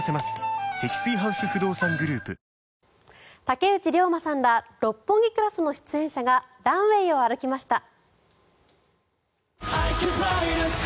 竹内涼真さんら「六本木クラス」の出演者がランウェーを歩きました。